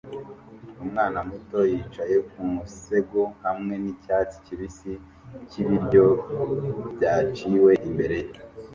Umwana muto yicaye ku musego hamwe nicyatsi kibisi cyibiryo byaciwe imbere ye